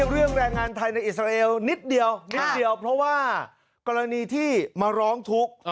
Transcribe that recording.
เรื่องแรงงานไทยในอิสราเอลนิดเดียวนิดเดียวเพราะว่ากรณีที่มาร้องทุกข์